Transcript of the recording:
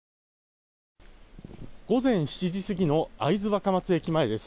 午前７時過ぎの会津若松駅前です。